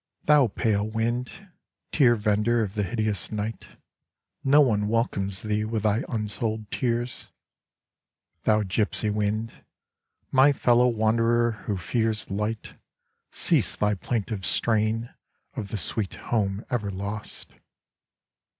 Thou pale Wind, tear vender of the hideous night, no one welcomes thee with thy unsold tears ! Thou Gipsy Wind, my fellow wanderer who fears light, cease thy plaintive strain of the sweet home ever lost